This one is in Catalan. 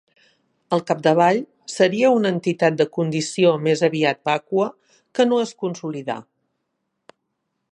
Al capdavall, seria una entitat de condició més aviat vàcua, que no es consolidà.